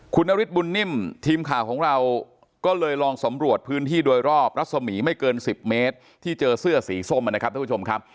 คุณนฤทธบุญนิ่มทีมข่าวของเราก็เลยลองสำรวจพื้นที่โดยรอบรัศมีร์ไม่เกิน๑๐เมตรที่เจอเสื้อสีส้มนะครับท่านผู้ชมครับ